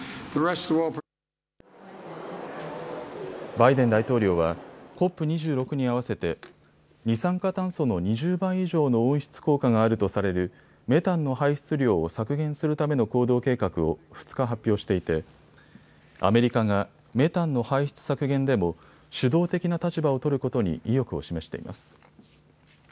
バイデン大統領はＣＯＰ２６に合わせて二酸化炭素の２０倍以上の温室効果があるとされるメタンの排出量を削減するための行動計画を２日、発表していてアメリカがメタンの排出削減でも主導的な立場を取ることに意欲を示しています。